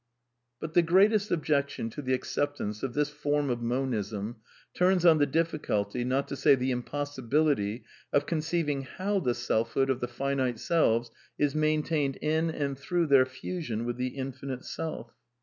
But the greatest objection to the acceptance of this form of Monism turns on the difficulty, not to say the imppssi bility, of conceiving how the selfhood of the finite selves is maintained in and through their fusion with the infinite Self.